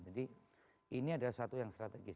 jadi ini adalah sesuatu yang strategis